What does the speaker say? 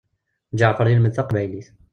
Ǧeɛfer yelmed taqbaylit.